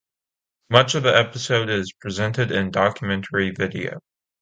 Much of the episode is presented in documentary video.